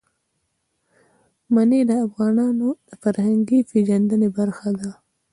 منی د افغانانو د فرهنګي پیژندنې برخه ده.